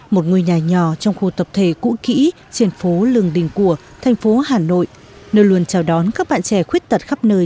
một ngôi nhà nhỏ trong khu tập thể cũ kỹ trên phố lường đình của thành phố hà nội nơi luôn chào đón các bạn trẻ khuyết tật khắp nơi